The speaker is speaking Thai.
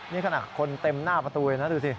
นี่ขนาดคนเต็มหน้าประตูเลยนะดูสิ